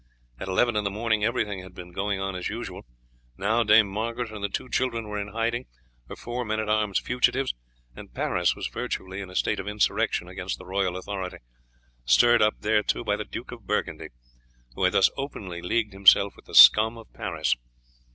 At eleven in the morning everything had been going on as usual, now Dame Margaret and the two children were in hiding, her four men at arms fugitives, and Paris was virtually in a state of insurrection against the royal authority, stirred up thereto by the Duke of Burgundy, who had thus openly leagued himself with the scum of Paris.